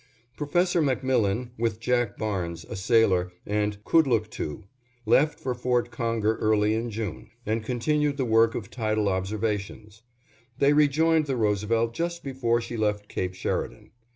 Prof. MacMillan, with Jack Barnes, a sailor, and Kudlooktoo, left for Fort Conger early in June, and continued the work of tidal observations. They rejoined the Roosevelt just before she left Cape Sheridan.